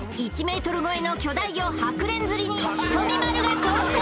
１ｍ超えの巨大魚ハクレン釣りにひとみ○が挑戦！